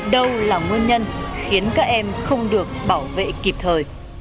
đâu là nguyên nhân khiến các em không được bảo vệ kịp thời